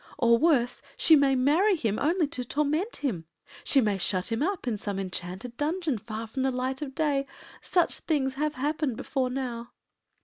Or, worse, she may marry him only to torment him. She may shut him up in some enchanted dungeon far from the light of day. Such things have happened before now.